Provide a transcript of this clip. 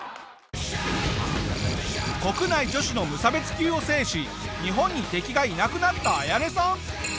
国内女子の無差別級を制し日本に敵がいなくなったアヤネさん。